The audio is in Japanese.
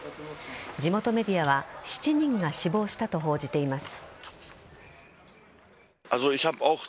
地元メディアは７人が死亡したと報じています。